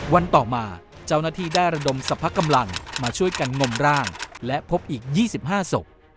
วันต่อมาเจ้าหน้าที่ได้ระดมสรรพกำลังมาช่วยกันงมร่างและพบอีก๒๕ศพ